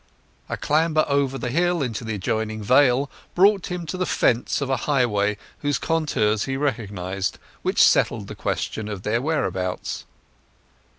A clamber over the hill into the adjoining vale brought him to the fence of a highway whose contours he recognized, which settled the question of their whereabouts.